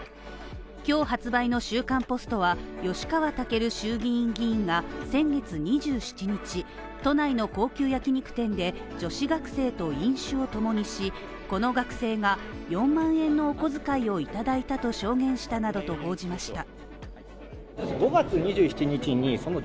今日発売の「週刊ポスト」は吉川赳衆院議員が先月２７日、都内の高級焼き肉店で女子学生と飲酒をともにしこの学生が、４万円のお小遣いをいただいたと証言したなどと報じました。